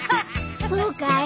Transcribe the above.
そうかい？